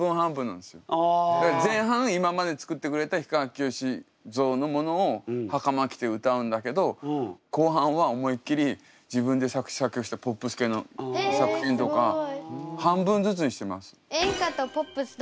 前半今までつくってくれた氷川きよし像のものをはかま着て歌うんだけど後半は思いっきり自分で作詞作曲したポップス系の作品とか半分ずつにしてます。